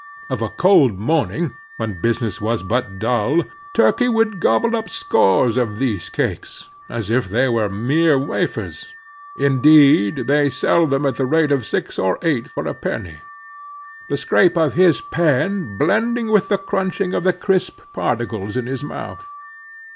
Of a cold morning when business was but dull, Turkey would gobble up scores of these cakes, as if they were mere wafers—indeed they sell them at the rate of six or eight for a penny—the scrape of his pen blending with the crunching of the crisp particles in his mouth.